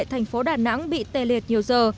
thành phố đà nẵng bị tê liệt nhiều giờ